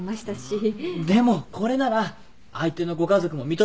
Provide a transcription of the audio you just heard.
でもこれなら相手のご家族も認めてくれますよ。